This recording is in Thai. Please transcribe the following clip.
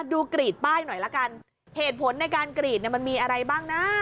กรีดป้ายหน่อยละกันเหตุผลในการกรีดเนี่ยมันมีอะไรบ้างนะ